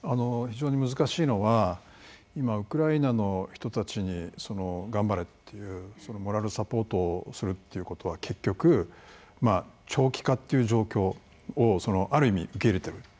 非常に難しいのが今ウクライナの人たちに頑張れというモラルサポートをするということは結局長期化という状況をある意味受け入れている。